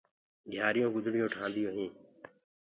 مآيونٚ گُدڙيونٚ ٺآنديونٚ هينٚ۔